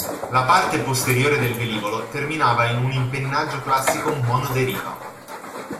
La parte posteriore del velivolo terminava in un impennaggio classico monoderiva.